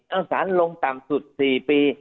เอาสารลงต่ำสุด๔ปี